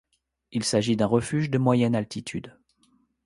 Il s'agit d'un refuge de moyenne altitude.